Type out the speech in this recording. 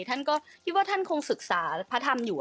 ท่านก็คิดว่าท่านคงศึกษาพระธรรมอยู่